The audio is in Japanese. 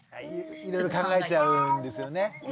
いろいろ考えちゃうんですよね。